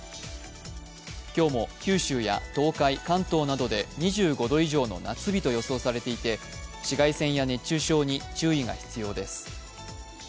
今日も九州や東海、関東などで２５度以上の夏日と予想されていて紫外線や熱中症に注意が必要です。